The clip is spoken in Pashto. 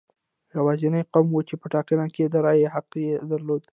یوازینی قوم و چې په ټاکنو کې د رایې حق یې درلود.